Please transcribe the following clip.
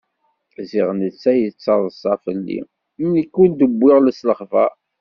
Ziɣ netta yattaḍṣa fell-i, nekk ur d-wwiɣ s lexbar.